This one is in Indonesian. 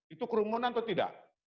itu kerumunan atau tidak